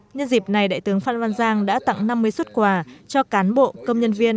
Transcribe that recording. nhân dịp này đại tướng phan văn giang đã tặng năm mươi xuất quà cho cán bộ công nhân viên